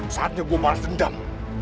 saatnya gua balas dendam